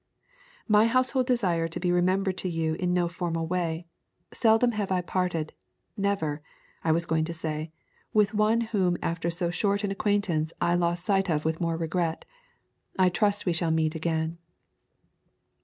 .. "My household desire to be remembered to you in no formal way. Seldom have I parted never, I was going to say with one whom after so short an acquaintance I lost sight of with more regret. I trust we shall meet again."